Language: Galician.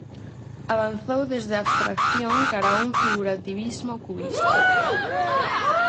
Avanzou desde a abstracción cara a un figurativismo cubista.